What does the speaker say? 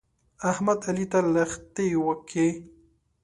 احمد؛ علي ته لښتې وکښې.